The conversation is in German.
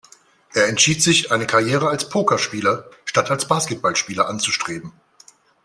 Er entschied sich, eine Karriere als Pokerspieler statt als Basketballspieler anzustreben.